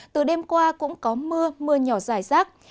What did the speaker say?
từ đêm qua cũng có mưa mưa nhỏ dài rác